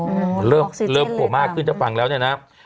อ๋อออกซีเย็นเลยครับมันเริ่มกว่ามากขึ้นถ้าฟังแล้วนะครับ